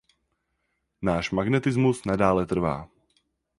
Náš magnetismus nadále trvá.